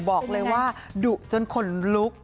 บอกเลยว่าดุจนขนลุก